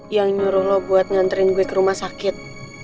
yang nyuruh lo buat nganterin gue ke rumah sakit